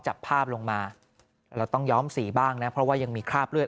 จับภาพลงมาเราต้องย้อมสีบ้างนะเพราะว่ายังมีคราบเลือด